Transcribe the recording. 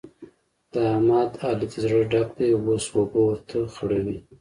د احمد؛ علي ته زړه ډک دی اوس اوبه ورته خړوي.